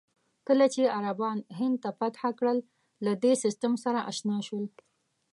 کله چې عربان هند فتح کړل، له دې سیستم سره اشنا شول.